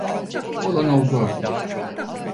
Olan oldu artık.